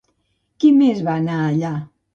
Qui més va anar allà?